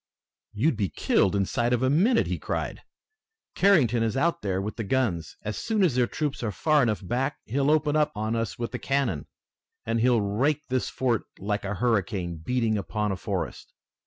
"You'd be killed inside of a minute!" he cried. "Carrington is out there with the guns! As soon as their troops are far enough back he'll open on us with the cannon, and he'll rake this fort like a hurricane beating upon a forest.